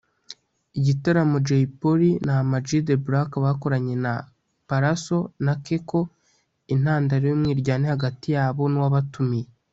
Igitaramo Jay Polly na Amag The Black bakoranye na Pallaso na Keko intandaro y'umwiryane hagati yabo nuwabatumiye